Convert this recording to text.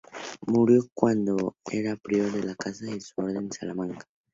Murió cuando era prior de la casa de su Orden, en Salamanca.